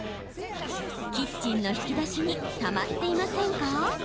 キッチンの引き出しにたまっていませんか？